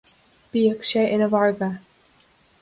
Bíodh sé ina mhargadh.